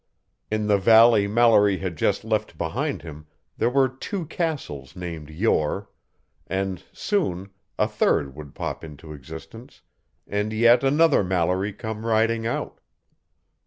In the valley Mallory had just left behind him there were two castles named Yore, and soon, a third would pop into existence and yet another Mallory come riding out.